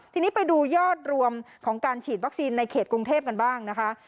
ทีนี้ไปดูยอดรวมของการฉีดวัคซีนในเขตกรุงเทพกันบ้างนะคะ